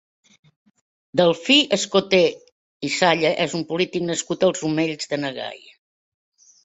Delfí Escoté i Salla és un polític nascut als Omells de na Gaia.